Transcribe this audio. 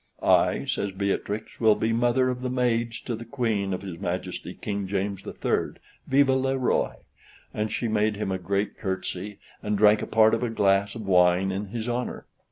"I," says Beatrix, "will be mother of the maids to the Queen of his Majesty King James the Third Vive le Roy!" and she made him a great curtsy, and drank a part of a glass of wine in his honor.